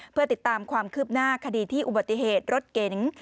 เพื่อติดตามความคืบหน้าคดีที่อุบัติเหตุรถเก๋ง